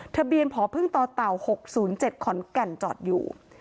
ทะเบียนผอพึ่งต่อเต่า๖๐๗ขอนแก่นจอดอยู่